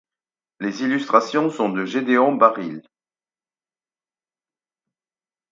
Les illustrations sont de Gédéon Baril.